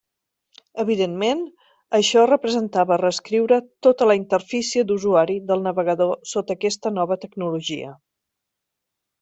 Evidentment, això representava reescriure tota la interfície d'usuari del navegador sota aquesta nova tecnologia.